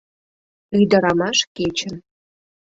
Ӱдырамаш кечын